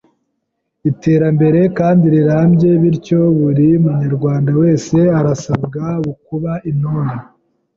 iterambere kandi rirambye. Bityo buri munyarwanda wese arasabwa kuba Intore